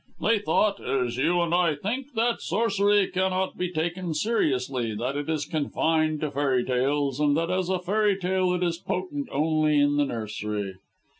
They thought as you and I think that sorcery cannot be taken seriously that it is confined to fairy tales and that, as a fairy tale, it is potent only in the nursery."